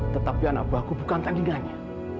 tetapi anak buahku bukan telinganya